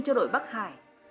cho đội bắc hải